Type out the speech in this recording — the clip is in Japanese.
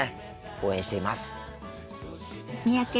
応援しています。